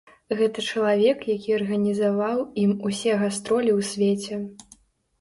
Гэта чалавек, які арганізаваў ім усе гастролі ў свеце.